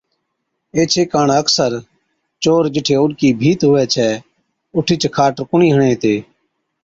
ايڇي ڪاڻ اڪثر چور جِٺي اوڏڪِي ڀِيت هُوَي ڇَي، اُٺِيچ کاٽ ڪونهِي هڻي هِتي۔